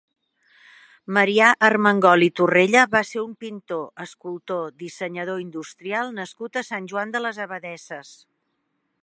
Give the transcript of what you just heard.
Marià Armengol i Torrella va ser un pintor, escultor, dissenyador industrial nascut a Sant Joan de les Abadesses.